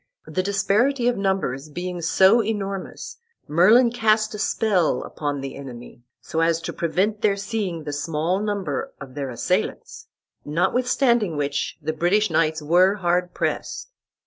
The disparity of numbers being so enormous, Merlin cast a spell upon the enemy, so as to prevent their seeing the small number of their assailants; notwithstanding which the British knights were hard pressed.